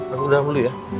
aku udah mulu ya